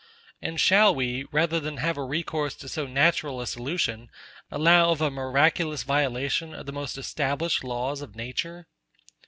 And shall we, rather than have a recourse to so natural a solution, allow of a miraculous violation of the most established laws of nature?